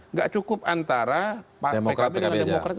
nggak cukup antara pkb dengan demokrat